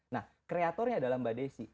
nah kreatornya adalah mbak desi